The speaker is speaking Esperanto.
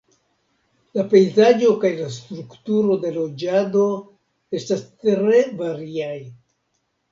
La pejzaĝo kaj la strukturo de loĝado estas tre variaj.